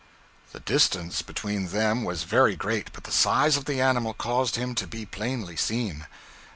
The distance between them was very great, but the size of the animal caused him to be plainly seen.